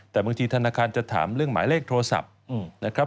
แต่บางทีธนาคารจะถามเรื่องหมายเลขโทรศัพท์นะครับ